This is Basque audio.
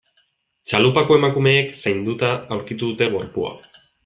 Txalupako emakumeek zainduta aurkitu dute gorpua.